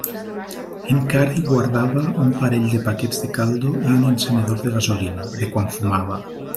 Encara hi guardava un parell de paquets de caldo i un encenedor de gasolina, de quan fumava.